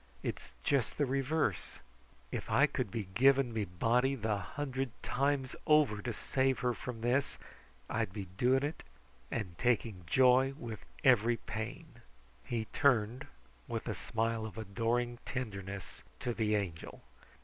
"It's just the reverse. If I could be giving me body the hundred times over to save hers from this, I'd be doing it and take joy with every pain." He turned with a smile of adoring tenderness to the Angel.